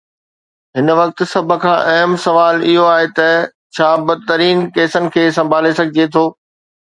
هن وقت سڀ کان اهم سوال اهو آهي ته ڇا بدترين ڪيسن کي سنڀالي سگهجي ٿو.